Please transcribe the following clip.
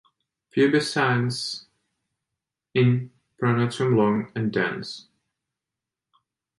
Pubescence in pronotum long and dense.